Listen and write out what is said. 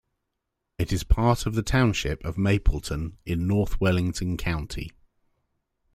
It is a part of the township of Mapleton in North Wellington County.